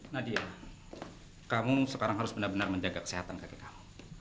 nadia kamu sekarang harus benar benar menjaga kesehatan kaki kamu